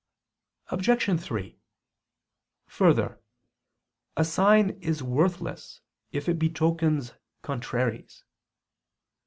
Obj. 3: Further, a sign is worthless if it betokens contraries.